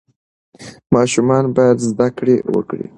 ماشومان باید زده کړه وکړي.